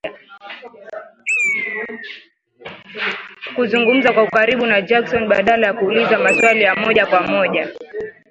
kuzungumza kwa ukaribu na Jackson badala ya kuuliza maswali ya moja kwa moja